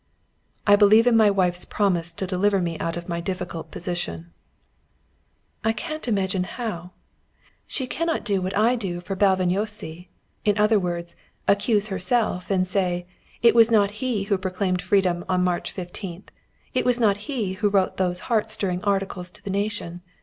"I believe in my wife's promise to deliver me out of my difficult position." "I can't imagine how. She cannot do what I can do for Bálványossi in other words, accuse herself and say: 'It was not he who proclaimed freedom on March 15th. It was not he who wrote those heart stirring articles to the nation.